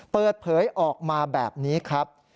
เปิดเผยออกมาแบบนี้ครับ